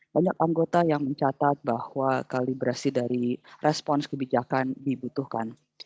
banyak anggota yang mencatat bahwa kalibrasi dari respons kebijakan dibutuhkan